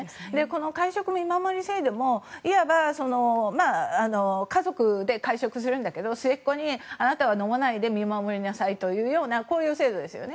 会食見守り制度もいわば家族で会食するんだけど末っ子にあなたは飲まないで見守りなさいというようなこういう制度ですよね。